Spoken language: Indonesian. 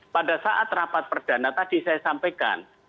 pada saat rapat perdana tadi saya sampaikan